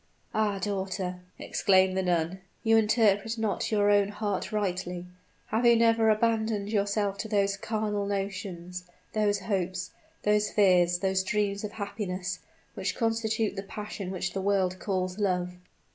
"Ah! daughter," exclaimed the nun, "you interpret not your own heart rightly. Have you never abandoned yourself to those carnal notions those hopes those fears those dreams of happiness which constitute the passion which the world calls love?"